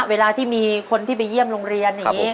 เวลาที่มีคนที่ไปเยี่ยมโรงเรียนอย่างนี้